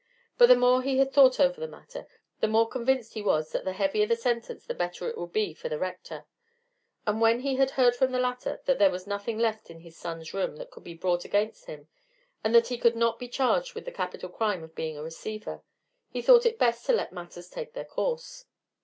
But the more he had thought over the matter, the more convinced was he that the heavier the sentence the better it would be for the Rector; and when he had heard from the latter that there was nothing left in his son's room that could be brought against him, and that he could not be charged with the capital crime of being a receiver, he thought it best to let matters take their course.